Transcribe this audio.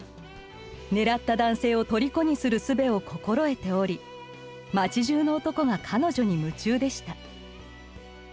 狙った男性をとりこにするすべを心得ており町じゅうの男が彼女に夢中でした。